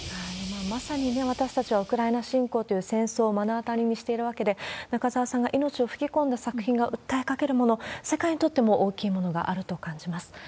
まさにね、私たちはウクライナ侵攻という戦争を目の当たりにしているわけで、中沢さんが命を吹き込んだ作品が訴えかけるもの、世界にとっても大きいものがあると感じます。